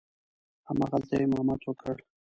همغلته یې امامت وکړ.